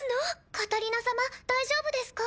カタリナ様大丈夫ですか？